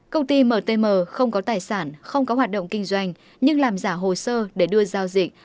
công ty mtm không có tài sản không có hoạt động kinh doanh nhưng làm giả hồ sơ để đưa giao dịch